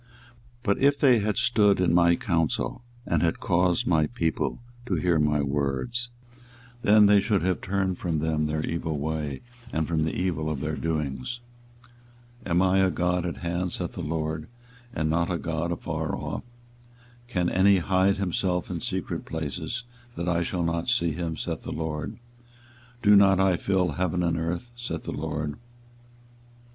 24:023:022 But if they had stood in my counsel, and had caused my people to hear my words, then they should have turned them from their evil way, and from the evil of their doings. 24:023:023 Am I a God at hand, saith the LORD, and not a God afar off? 24:023:024 Can any hide himself in secret places that I shall not see him? saith the LORD. Do not I fill heaven and earth? saith the LORD.